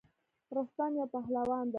رستم یو پهلوان دی.